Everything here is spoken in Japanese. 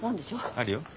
あるよ。